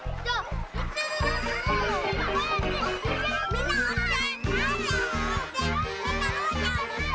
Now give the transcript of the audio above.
みんなおして！